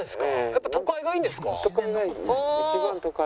やっぱ都会がいいんですか？